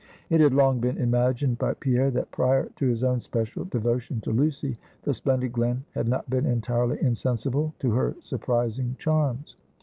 It had long been imagined by Pierre, that prior to his own special devotion to Lucy, the splendid Glen had not been entirely insensible to her surprising charms.